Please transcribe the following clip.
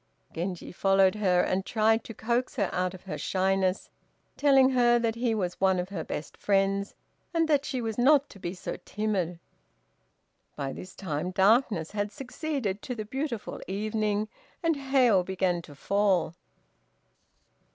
Genji followed her, and tried to coax her out of her shyness, telling her that he was one of her best friends, and that she was not to be so timid. By this time darkness had succeeded to the beautiful evening, and hail began to fall.